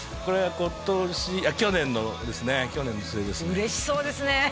これは今年あっ去年のですね